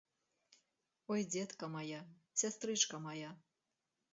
Ой, дзетка мая, сястрычка мая!